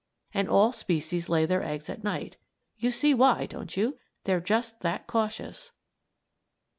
And all species lay their eggs at night. You see why, don't you? They're just that cautious.